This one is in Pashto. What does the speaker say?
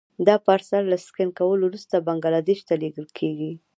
دا پارسل له سکن کولو وروسته بنګلادیش ته لېږل کېږي.